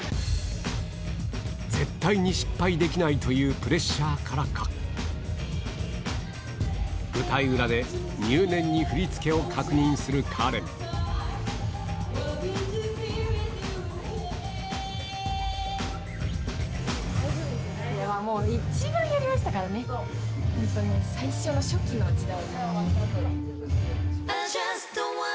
絶対に失敗できないというプレッシャーからか舞台裏で入念に振り付けを確認するカレン